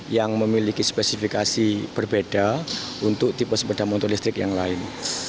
yang memiliki spesifikasi berbeda untuk tipe sepeda motor listrik yang lain